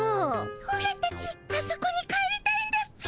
オラたちあそこに帰りたいんだっピ。